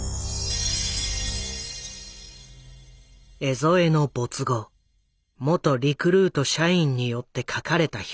江副の没後元リクルート社員によって書かれた評伝。